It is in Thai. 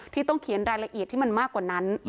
ที่ต้องเขียนรายละเอียดที่มันมากกว่านั้น